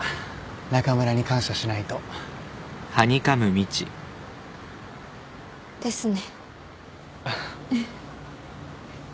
中村に感謝しないと。ですね。